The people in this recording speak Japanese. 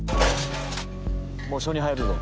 もう署に入るぞ。